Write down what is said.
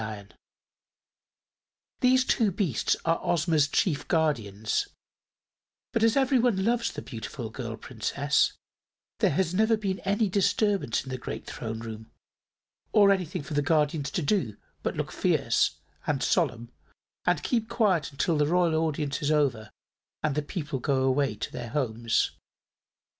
These two beasts are Ozma's chief guardians, but as everyone loves the beautiful girl Princess there has never been any disturbance in the great Throne Room, or anything for the guardians to do but look fierce and solemn and keep quiet until the Royal Audience is over and the people go away to their homes.